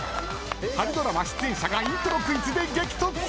春ドラマ出演者がイントロクイズで激突。